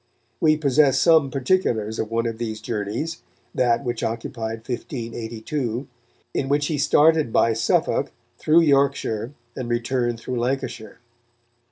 We possess some particulars of one of these journeys, that which occupied 1582, in which he started by Suffolk, through Yorkshire, and returned through Lancashire.